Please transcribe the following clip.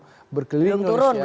beliau belum berkeliling indonesia